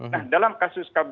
nah dalam kasus kabupaten